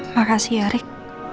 makasih ya rik